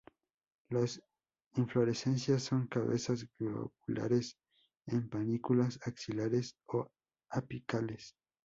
Las inflorescencias son cabezas globulares en panículas axilares o apicales.